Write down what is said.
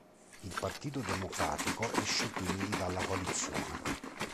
Il Partito Democratico esce quindi dalla coalizione.